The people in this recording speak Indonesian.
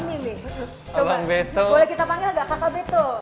ini nih coba boleh kita panggil gak kakak beto